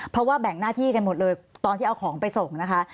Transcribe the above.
เพราะว่าแบ่งหน้าที่กันหมดเลยตอนที่เอาของไปส่งนะคะ